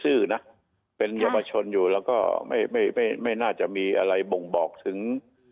ซื่อนะเป็นยำวชลอยู่แล้วก็ไม่น่าจะมีอะไรบ่งบอกถึง